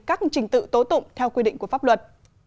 các trình tự tố tụng theo quy định của pháp luật